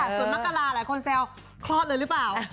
ส่วนมกราหลายคนแซวคลอดเลยหรือเปล่า